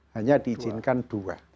hanya diizinkan dua